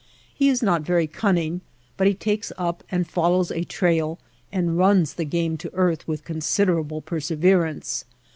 He is not very cunning but he takes up and follows a trail, and runs the game to earth with consider able perseverance.